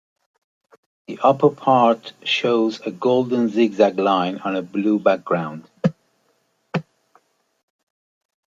The upper part shows a golden zigzag line on a blue background.